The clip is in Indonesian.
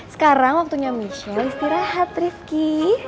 sekarang waktunya michelle istirahat rizky